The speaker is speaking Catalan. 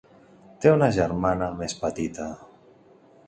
Té una germana més petita.